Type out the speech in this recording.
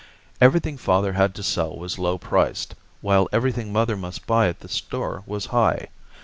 Everything father had to sell was low priced, while everything mother must buy at the store was high.